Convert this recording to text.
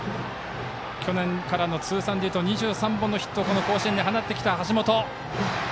去年から通算でいうと２３本のヒットをこの甲子園で放ってきた橋本。